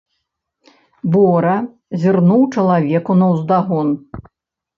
Бора зірнуў чалавеку наўздагон.